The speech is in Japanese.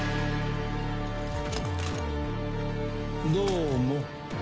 どうも。